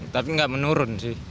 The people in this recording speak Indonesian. tapi enggak menurun sih